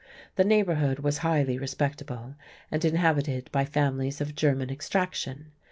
The neighbourhood was highly respectable, and inhabited by families of German extraction.